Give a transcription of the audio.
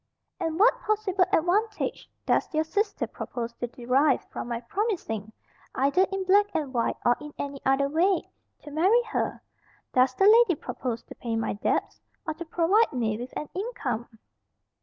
"And what possible advantage does your sister propose to derive from my promising, either in black and white or in any other way, to marry her? Does the lady propose to pay my debts, or to provide me with an income?"